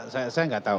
saya gak tahu